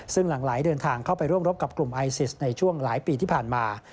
ซึ่งหลังไหลเดินทางเข้าไปร่วมรบกับกลุ่มไอซิสในช่วงหลายปีที่ผ่านมา